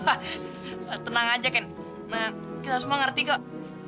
hah tenang aja ken nah kita semua ngerti kok